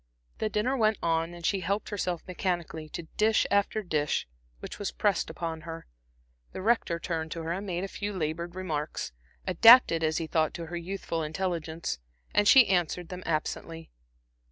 The dinner went on, and she helped herself mechanically to dish after dish which was pressed upon her. The Rector turned to her and made a few labored remarks, adapted as he thought to her youthful intelligence, and she answered them absently.